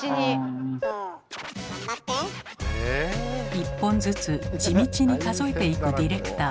１本ずつ地道に数えていくディレクター。